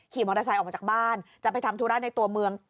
มอเตอร์ไซค์ออกมาจากบ้านจะไปทำธุระในตัวเมือง